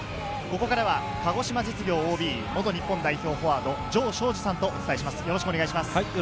ここからは鹿児島実業ＯＢ、元日本代表フォワード・城彰二さんとお伝えします、よろしくお願いします。